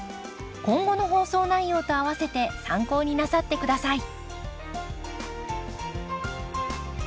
今後の放送内容とあわせて参考になさって下さい。